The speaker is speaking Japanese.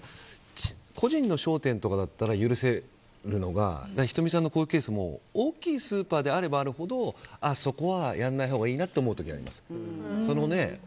個人の商店とかだったら許せるのが仁美さんのケースも大きいスーパーであればあるほどそこはやらないほうがいいなって思う時、あります。